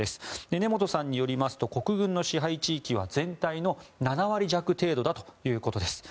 根本さんによりますと国軍の支配地域は全体の７割弱程度だということです。